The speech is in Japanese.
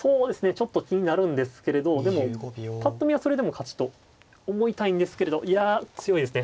ちょっと気になるんですけれどでもぱっと見はそれでも勝ちと思いたいんですけれどいや強いですね。